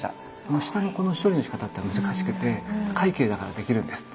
下のこの処理のしかたっていうのは難しくて快慶だからできるんです。